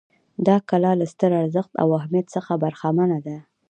دا کلا له ستر ارزښت او اهمیت څخه برخمنه ده.